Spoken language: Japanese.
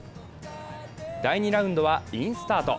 第２ラウンドはインスタート。